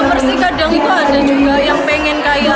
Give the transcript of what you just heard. pesta bersih kadang itu ada juga yang pengen kayak